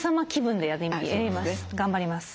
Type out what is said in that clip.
頑張ります。